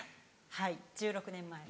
はい１６年前。